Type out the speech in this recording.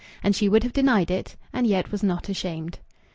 And she would have denied it and yet was not ashamed.